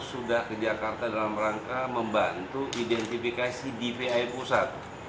sudah ke jakarta dalam rangka membantu identifikasi dvi pusat